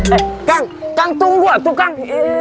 eh kang tunggu atuh kang